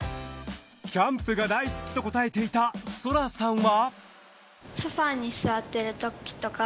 キャンプが大好きと答えていたソラさんは。